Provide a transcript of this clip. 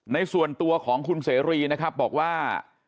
ในส่วนตัวของคุณเสรีนะครับบอกว่า